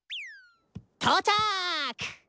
とうちゃく！